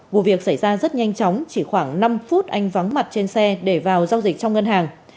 vụ việc xảy ra rất nhanh chóng chỉ khoảng năm phút anh vắng mặt trên xe để vào giao dịch trong ngân hàng